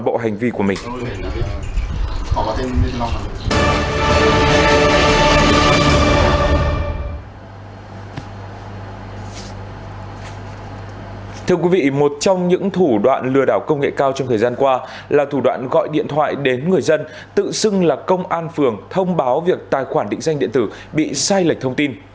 thưa quý vị một trong những thủ đoạn lừa đảo công nghệ cao trong thời gian qua là thủ đoạn gọi điện thoại đến người dân tự xưng là công an phường thông báo việc tài khoản định danh điện tử bị sai lệch thông tin